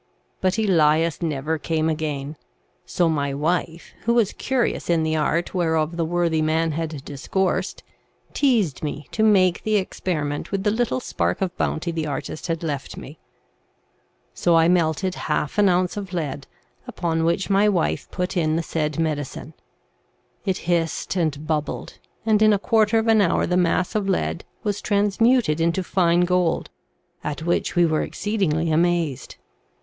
But Elias never came again; so my wife, who was curious in the art whereof the worthy man had discoursed, teazed me to make the experiment with the little spark of bounty the artist had left me; so I melted half an ounce of lead, upon which my wife put in the said medicine ; it hissed and bubbled, and in a quarter of an hour the mass of lead was transmuted into fine gold, at which we were exceedingly amazed.